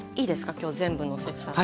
今日全部のせちゃって。